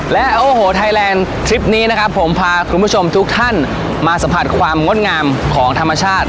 และโอ้โหไทยแลนด์ทริปนี้นะครับผมพาคุณผู้ชมทุกท่านมาสัมผัสความงดงามของธรรมชาติ